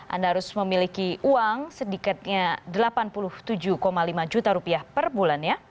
anda harus memiliki uang sedikitnya delapan puluh tujuh lima juta rupiah per bulannya